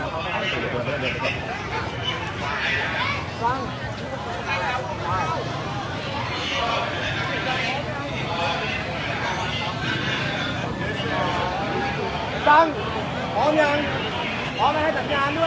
ตั้งพอไม๊ยังพอไม๊ยังให้ถัดงานด้วย